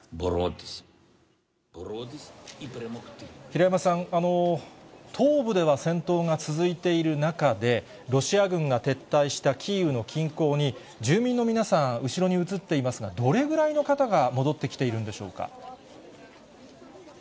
平山さん、東部では戦闘が続いている中で、ロシア軍が撤退したキーウの近郊に、住民の皆さん、後ろに映っていますが、どれぐらいの方が戻ってきているんでしょうか。